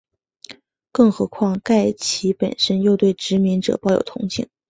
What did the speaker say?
更何况盖奇本身又对殖民者抱有同情。